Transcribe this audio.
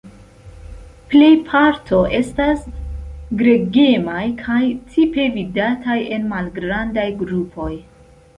Plej parto estas gregemaj kaj tipe vidataj en malgrandaj grupoj.